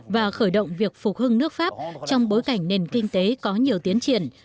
và khởi động việc phục hưng nước pháp trong bối cảnh nền kinh tế có nhiều tiến triển